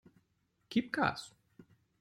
Gib Gas!